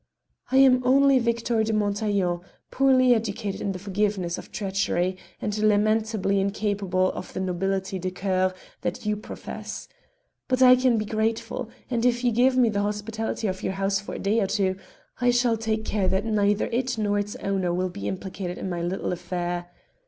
"I am only Victor de Montaiglon, poorly educated in the forgiveness of treachery, and lamentably incapable of the nobihty de cour that you profess. But I can be grateful; and if you give me the hospitality of your house for a day or two, I shall take care that neither it nor its owner will be implicated in my little affair.